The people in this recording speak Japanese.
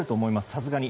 さすがに。